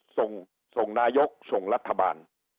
ส่งส่งนายกส่งรัฐบาล